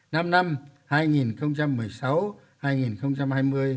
kế hoạch năm năm hai nghìn một mươi sáu hai nghìn hai mươi